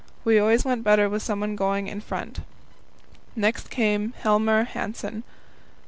We always went better with someone going in front. Next came Helmer Hanssen.